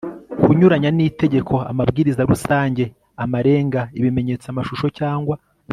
kunyuranya n Itegeko amabwiriza rusange amarenga ibimenyetso amashusho cyangwa